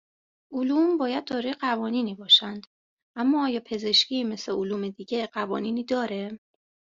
علوم باید دارای قوانینی باشند. اما آیا پزشکی مثل علوم دیگه قوانینی داره؟